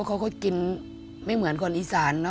เขาก็กินไม่เหมือนคนอีสานเนอ